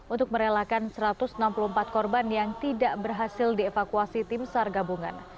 untuk merelakan satu ratus enam puluh empat korban yang tidak berhasil dievakuasi tim sar gabungan